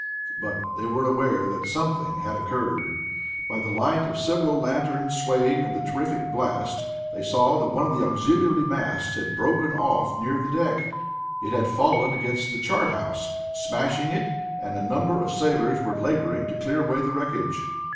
But they were aware that something had occurred. By the light of several lanterns swaying in the terrific blast they saw that one of the auxiliary masts had broken off near the deck. It had fallen against the chart house, smashing it, and a number of sailors were laboring to clear away the wreckage.